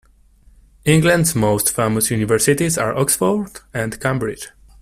England’s most famous universities are Oxford and Cambridge